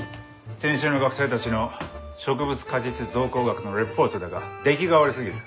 先週の学生たちの「植物果実造講学」のｒｅｐｏｒｔだが出来が悪すぎる。